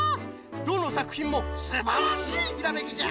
どのさくひんもすばらしいひらめきじゃ。